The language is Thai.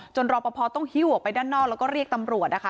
รอปภต้องหิ้วออกไปด้านนอกแล้วก็เรียกตำรวจนะคะ